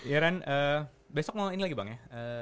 ya ran besok mau ini lagi bang ya